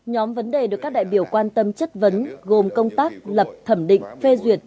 nhóm vấn đề được các đại biểu quan tâm chất vấn gồm công tác lập thẩm định phê duyệt